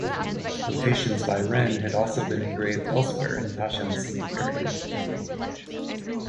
Quotations by Ren had also been engraved elsewhere in Tashan Scenic Area.